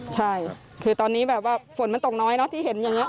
ใช่คือตอนนี้แบบว่าฝนมันตกน้อยเนอะที่เห็นอย่างนี้